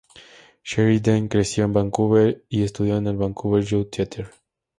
Sheridan creció en Vancouver y estudió en el Vancouver Youth Theatre.